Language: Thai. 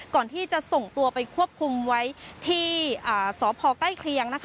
ก่อนที่จะส่งตัวไปควบคุมไว้ที่สพใกล้เคียงนะคะ